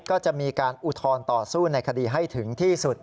ก็จะมีการอุทธรณ์ต่อสู้ในคดีให้ถึงที่สุด